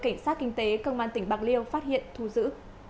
cảnh sát kinh tế công an tỉnh bạc liêu phát hiện thu giữ